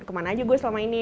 kemana aja gue selama ini